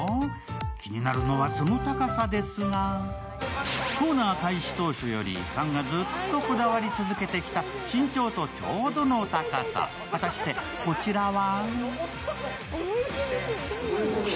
気になるのは、その高さですがコーナー開始当初より菅さんがずっとこだわり続けてきた身長とちょうどの高さ、果たしてこちらは？